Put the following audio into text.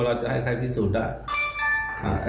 เราจะให้ใครพิสูจน์ได้